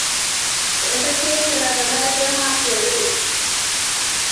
It is a tier below the American Hockey League.